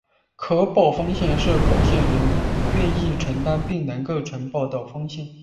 可保风险是保险人愿意承保并能够承保的风险。